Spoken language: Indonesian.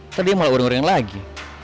ntar dia malah ureng ureng lagi